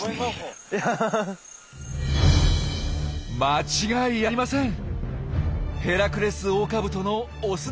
間違いありません！